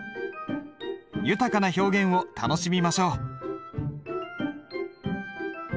豊かな表現を楽しみましょう。